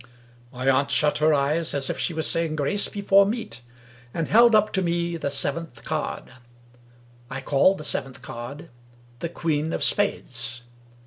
My aunt shut her eyes as if she was saying grace before meat, and held up to me the 226 Wilkie Collins seventh card. I called the seventh card — ^the Queen of Spades.